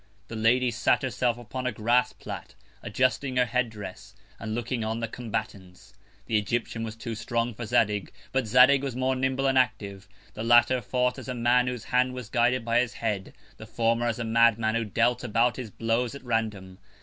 The Lady sat herself upon a Grass plat, adjusting her Head dress, and looking on the Combatants. The Egyptian was too strong for Zadig, but Zadig was more nimble and active. The latter fought as a Man whose Hand was guided by his Head; the former as a Mad man who dealt about his Blows at random.